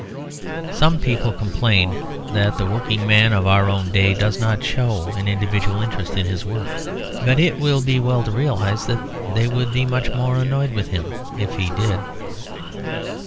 Some people complain that the working man of our own day does not show an individual interest in his work. But it will be well to realise that they would be much more annoyed with him if he did.